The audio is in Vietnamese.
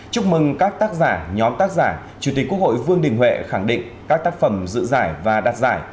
chúc mừng các tác giả nhóm tác giả chủ tịch quốc hội vương đình huệ khẳng định các tác phẩm dự giải và đạt giải